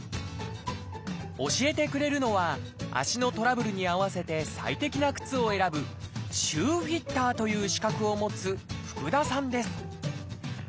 教えてくれるのは足のトラブルに合わせて最適な靴を選ぶ「シューフィッター」という資格を持つ福田さん！